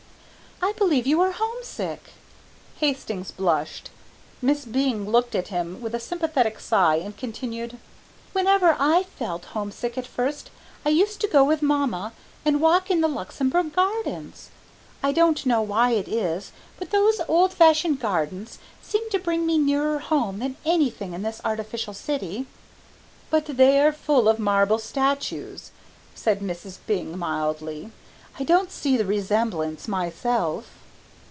"I believe you are homesick!" Hastings blushed. Miss Byng looked at him with a sympathetic sigh and continued: "Whenever I felt homesick at first I used to go with mamma and walk in the Luxembourg Gardens. I don't know why it is, but those old fashioned gardens seemed to bring me nearer home than anything in this artificial city." "But they are full of marble statues," said Mrs. Byng mildly; "I don't see the resemblance myself."